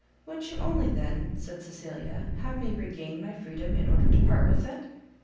"Would you only, then," said Cecilia, "have me regain my freedom in order to part with it?"